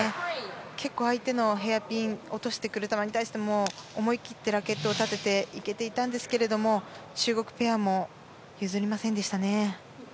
結構、相手のヘアピンに対して思い切ってラケットを立てていけていたんですけれども中国ペアも譲りませんでしたね。